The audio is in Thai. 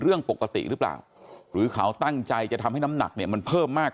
เรื่องปกติหรือเปล่าหรือเขาตั้งใจจะทำให้น้ำหนักเนี่ยมันเพิ่มมาก